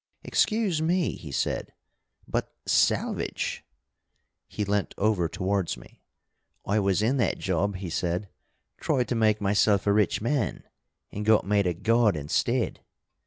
"Excuse me," he said, "but salvage!" He leant over towards me. "I was in that job," he said. "Tried to make myself a rich man, and got made a god instead.